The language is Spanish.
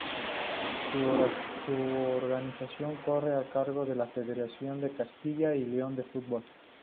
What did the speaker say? Su organización corre a cargo de la Federación de Castilla y León de Fútbol.